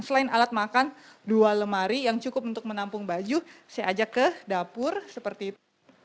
selain alat makan dua lemari yang cukup untuk menampung baju saya ajak ke dapur seperti itu